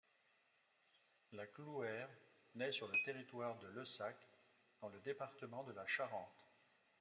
La Clouère naît sur le territoire de Lessac dans le département de la Charente.